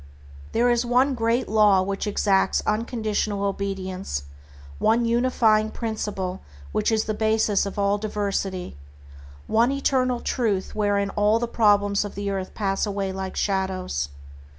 There is one Great Law which exacts unconditional obedience, one unifying principle which is the basis of all diversity, one eternal Truth wherein all the problems of earth pass away like shadows.